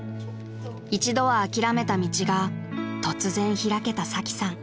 ［一度は諦めた道が突然開けたサキさん］